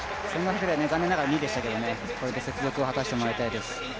１５００は残念ながら２位でしたけどこれで雪辱を果たしてもらいたいです。